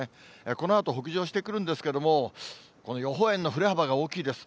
このあと北上してくるんですけれども、この予報円の振れ幅が大きいです。